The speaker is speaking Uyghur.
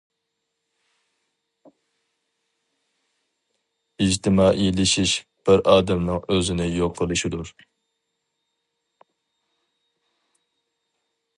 ئىجتىمائىيلىشىش — بىر ئادەمنىڭ ئۆزىنى يوق قىلىشىدۇر.